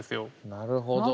なるほど。